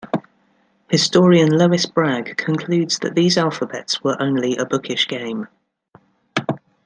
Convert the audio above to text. Historian Lois Bragg concludes that these alphabets were only a bookish game.